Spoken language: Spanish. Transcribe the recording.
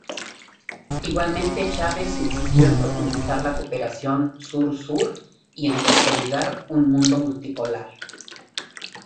Igualmente Chávez insistió en profundizar la cooperación Sur-Sur y en consolidar un mundo multipolar.